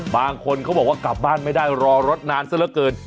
บางคนเขาบอกว่ากลับบ้านไม่ได้รอรถนานซะละเกิน